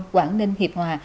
quảng ninh hiệp hòa